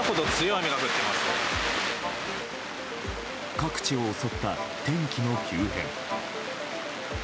各地を襲った天気の急変。